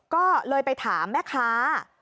ก็เลยไปถามแม่ค้า